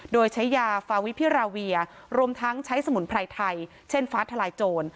โดยใช้ยาฟาวิพิราเวียรวมทั้งใช้สมุนไพรไทยเช่นฟ้าทลายโจร